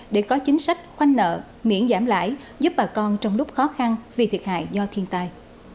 để có chính sách khoanh nợ miễn giảm lãi giúp bà con trong lúc khó khăn vì thiệt hại do thiên tai